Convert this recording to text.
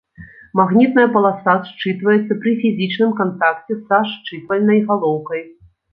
Магнітная паласа счытваецца пры фізічным кантакце са счытвальнай галоўкай.